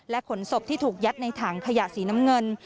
ขนศพที่ถูกยัดในถังขยะสีน้ำเงิน